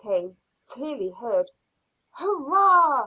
came clearly heard! "Hurrah!"